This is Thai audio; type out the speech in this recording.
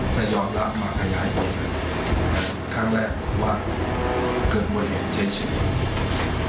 ถ้ายอมรับมากขยายครั้งแรกว่าเกิดมัวเห็นเช็คเช็ค